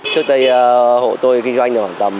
trước đây hộ tôi kinh doanh được khoảng